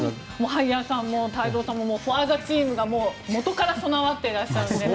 萩谷さんも太蔵さんもフォア・ザ・チームが元から備わっているので。